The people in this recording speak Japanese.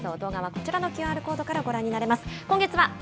動画はこちらのＱＲコードからご覧になれます。